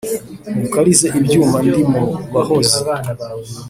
Ngukarize ibyuma ndi mu bahozi.